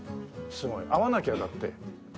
すごい。会わなきゃだって。